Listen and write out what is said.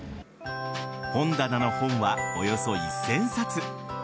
本棚の本はおよそ１０００冊。